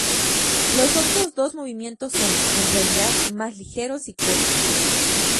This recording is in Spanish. Los otros dos movimientos son, en realidad, más ligeros y cortos.